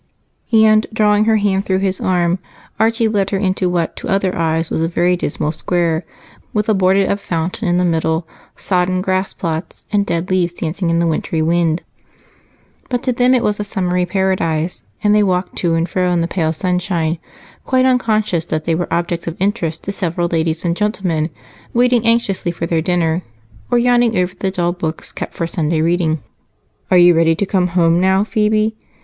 And drawing her hand through his arm, Archie led her into what to other eyes was a very dismal square, with a boarded up fountain in the middle, sodden grass plots, and dead leaves dancing in the wintry wind. But to them it was a summery Paradise, and they walked to and fro in the pale sunshine, quite unconscious that they were objects of interest to several ladies and gentlemen waiting anxiously for their dinner or yawning over the dull books kept for Sunday reading. "Are you ready to come home now, Phebe?"